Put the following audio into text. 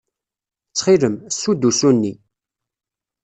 Ttxil-m, ssu-d usu-nni.